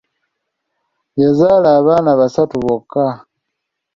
Yazaala abaana basatu bokka.